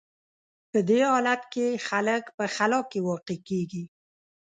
په دې حالت کې خلک په خلا کې واقع کېږي.